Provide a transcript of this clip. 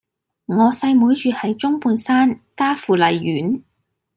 我細妹住喺中半山嘉富麗苑